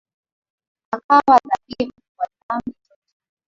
Akawa dhabihu kwa dhambi zote.